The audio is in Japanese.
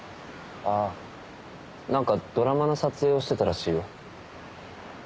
ああなんかドラマの撮影をしてたらしいよ。